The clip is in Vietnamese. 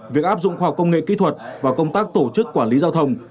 việc áp dụng khoa học công nghệ kỹ thuật và công tác tổ chức quản lý giao thông